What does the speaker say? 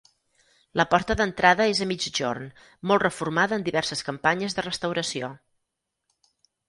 La porta d'entrada és a migjorn, molt reformada en diverses campanyes de restauració.